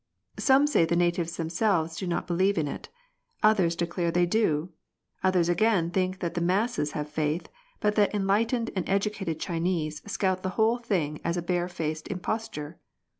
Some say the natives themselves do not believe in it ; others declare they do; others again think that the masses have faith, but that enlightened and educated Chinese scout the whole thing as a bare faced imposture.